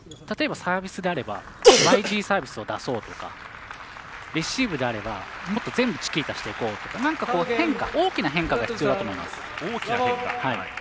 例えばサービスであればＹＧサービスを出そうとかレシーブであれば全部チキータしていこうとか何か大きな変化が必要だと思います。